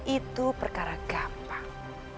itu perkara gampang